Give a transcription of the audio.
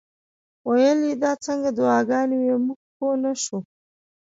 ویل یې دا څنګه دعاګانې وې موږ پوه نه شو.